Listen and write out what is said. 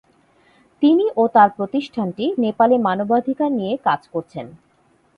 তিনি ও তার প্রতিষ্ঠানটি নেপালে মানবাধিকার নিয়ে কাজ করছেন।